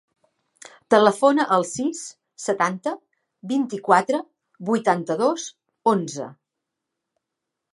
Telefona al sis, setanta, vint-i-quatre, vuitanta-dos, onze.